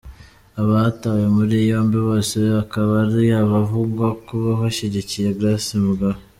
Abatawe muri yombi bose akaba ari abavugwa kuba bashyigikiye Grace Mugabe.